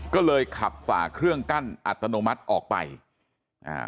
ก็เลยขับฝ่าเครื่องกั้นอัตโนมัติออกไปอ่า